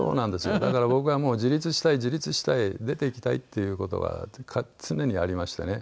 だから僕はもう自立したい自立したい出て行きたいっていう事は常にありましてね。